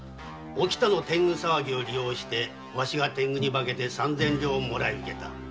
天狗騒ぎを利用してわしが天狗に化け三千両もらい受けた。